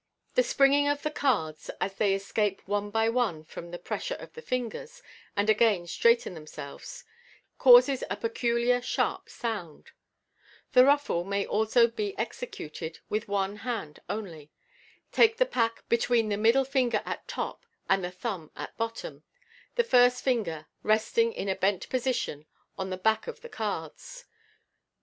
The springing of the cards as they escape one by one from the pressure of the fingers, and again straighten themselves, causes a peculiar sharp sound. The ruffle may also be executed with one hand only. Take the pack between the middle finger at top and the thumb at bottom, the first finger resting in a bent position on the back of the cards.